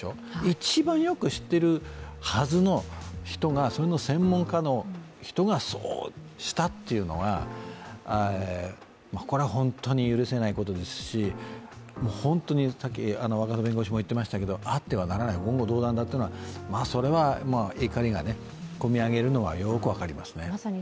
一番よく知ってるはずの人がそれの専門家の人がそうしたっていうのいがこれは本当に許せないことですし本当にあってはならない言語道断だというのは、怒りがこみ上げるのはよく分かりますね。